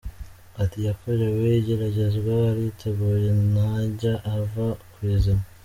Ati “Yakorewe igeragezwa, ariteguye, ntajya ava ku izima.